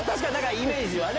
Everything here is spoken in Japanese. イメージはね